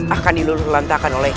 akan diluruh lantakan oleh